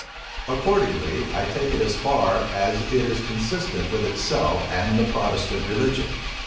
Accordingly, I take it as far as it is consistent with itself and the Protestant religion.